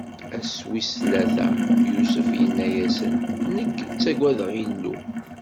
Ass wis tlata, Yusef inna-asen: Nekk ttagadeɣ Illu.